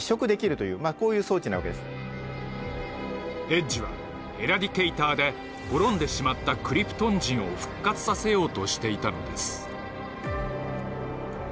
エッジはエラディケイターで滅んでしまったクリプトン人を復活させようとしていたのです。